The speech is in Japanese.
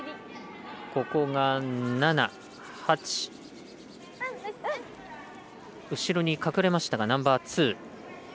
ここが７、８後ろに隠れましたがナンバーツー。